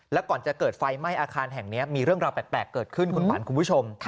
แล้วก่อนจะเกิดไฟไหม้อาคารแห่งนี้มีเรื่องราวแปลกเกิดขึ้นคุณขวัญคุณผู้ชม